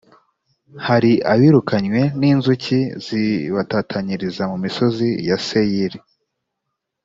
hari abirukanywe n’ inzuki zibatatanyiriza mu misozi ya seyiri